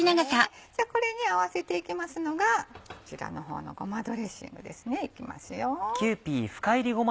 じゃあこれに合わせていきますのがこちらの方のごまドレッシングですねいきますよ。